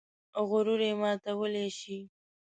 غرور یې ماتولی شي.